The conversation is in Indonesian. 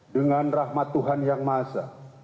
dengan rahmat tuhan yang mahasiswa